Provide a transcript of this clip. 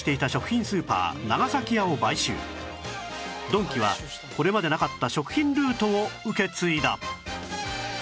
ドンキはこれまでなかった食品ルートを受け継いだ